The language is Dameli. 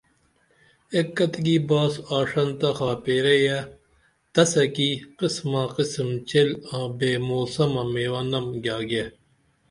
ایک کتکی باس آشنتہ خاپیرئے تس کی قسم قسم تہ چیل آں بے موسمہ میوہ نم گیاگے